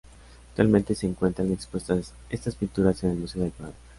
Actualmente se encuentran expuestas estas pinturas en el Museo del Prado.